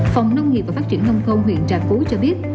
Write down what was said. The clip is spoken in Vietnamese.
phòng nông nghiệp và phát triển nông thôn huyện trà cú cho biết